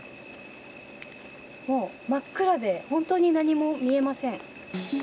もう真っ暗で本当に何も見えません。